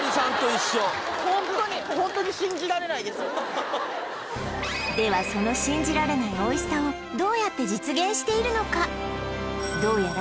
本当にではその信じられないおいしさをどうやって実現しているのか？